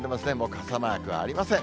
傘マークありません。